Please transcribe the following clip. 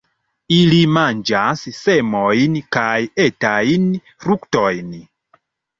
Ili manĝas semojn kaj etajn fruktojn.